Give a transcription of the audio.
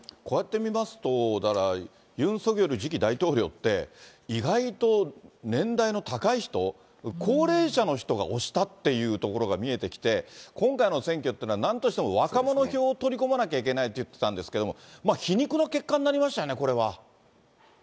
こうやって見ますと、だからユン・ソギョル次期大統領って、意外と年代の高い人、高齢者の人がおしたっていうところが見えてきて、今回の選挙というのは、なんとしても若者票を取り込まなきゃいけないっていってたんですけど、皮肉の結果になりましたよね、これは。